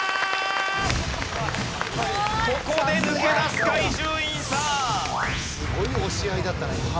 すごい押し合いだったね。